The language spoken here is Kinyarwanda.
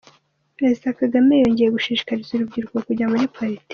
Perezida Kagame yongeye gushikariza urubyiruko kujya muri Politiki.